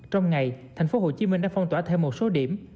trong ngày thành phố hồ chí minh đã phong tỏa thêm một số điểm